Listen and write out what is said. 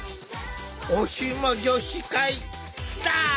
おシモ女子会スタート！